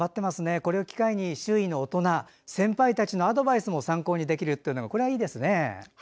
これを機会に周囲の大人先輩たちのアドバイスも参考にできるというこれはいいですね。